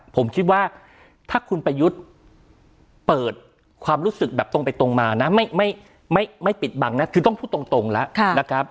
ผมคิดว่าถ้าคุณประยุทธ์เปิดความรู้สึกแบบตรงไปตรงมานะไม่ปิดบังนะคือต้องพูดตรงแล้วนะครับ